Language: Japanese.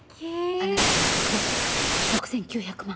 あなたには特別６９００万。